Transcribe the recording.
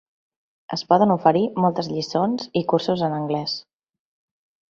Es poden oferir moltes lliçons i cursos en anglès.